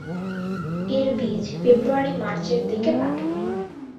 এর বীজ ফেব্রুয়ারি-মার্চের দিকে পাকে।